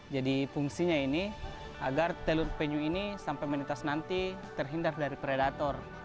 jadi fungsinya ini agar telur penyu ini sampai menit as nanti terhindar dari predator